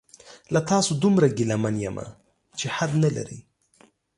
له تاسو دومره ګیله من یمه چې حد نلري